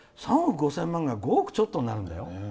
３億５０００万が５億ちょっとになるんだよ。